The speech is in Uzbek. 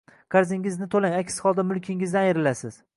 Qarzingizni to‘lang aks holda mulkingizdan ayrilasiz